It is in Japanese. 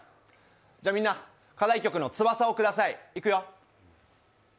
みんな、課題曲の「翼をください」いくよ。